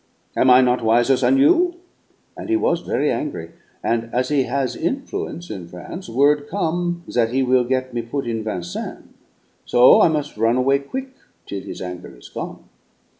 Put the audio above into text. Am I not wiser than you?' And he was very angry, and, as he has influence in France, word come' that he will get me put in Vincennes, so I mus' run away quick till his anger is gone.